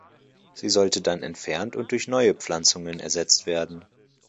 Sie sollten dann entfernt und durch neue Pflanzungen ersetzt werden.